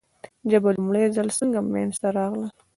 ژبه لومړی ځل څنګه منځ ته راغلې ده ؟